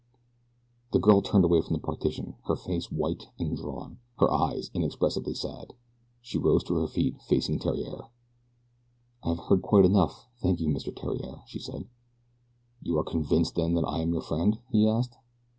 The girl turned away from the partition, her face white and drawn, her eyes inexpressibly sad. She rose to her feet, facing Theriere. "I have heard quite enough, thank you, Mr. Theriere," she said. "You are convinced then that I am your friend?" he asked.